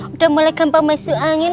udah mulai gampang masuk angin